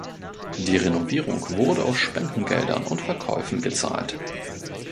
Die Renovierung wurde aus Spendengeldern und Verkäufen gezahlt.